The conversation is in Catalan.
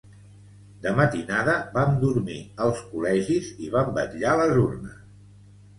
De matinada, vam dormir als col·legis i vam vetllar les urnes.